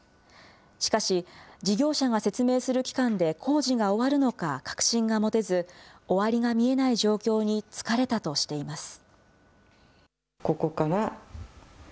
しかし、事業者が説明する期間で工事が終わるのか確信が持てず、終わりが見えない状況に疲れたとしています。